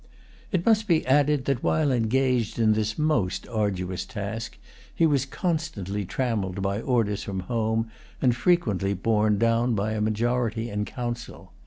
It must be added that, while engaged in this most arduous task, he was constantly trammelled by orders from home, and frequently borne down by a majority in Council.